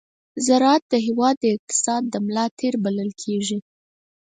ز راعت د هېواد د اقتصاد د ملا تېر بلل کېږي.